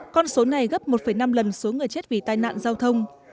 con số này gấp một năm lần số người chết vì tai nạn giao thông